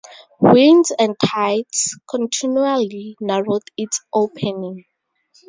Winds and tides continually narrowed its opening.